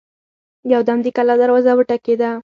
يودم د کلا دروازه وټکېده.